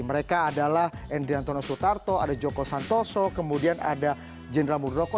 mereka adalah endri antono sutarto ada joko santoso kemudian ada jenderal murroko